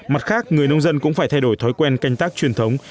mặt khác người nông dân cũng phải thay đổi thói quen canh tác truyền thống